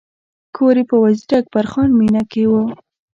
کور یې په وزیر اکبر خان مېنه کې و.